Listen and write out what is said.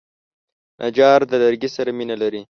نجار د لرګي سره مینه لري.